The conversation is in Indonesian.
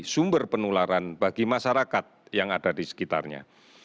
sumber penularan bagi masyarakat yang ada di sekitarnya